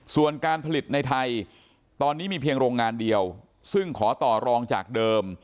ส่วนการผลิตในไทยตอนนี้มีเพียงโรงงานเดียวซึ่งขอต่อรองจากเดิม